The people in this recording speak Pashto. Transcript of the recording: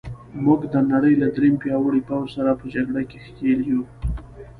موږ د نړۍ له درېیم پیاوړي پوځ سره په جګړه کې ښکېل یو.